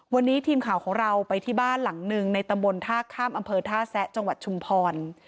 วันนี้ทีมข่าวของเราไปที่บ้านหลังหนึ่งในตำบลท่าข้ามอำเภอท่าแซะจังหวัดชุมพร